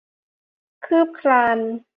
คืบคลาน